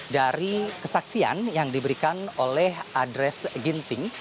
dari kesaksian yang diberikan oleh adres ginting